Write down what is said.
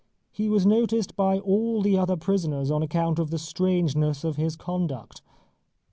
He was noticed by all the other prisoners on account of the strangeness of his conduct.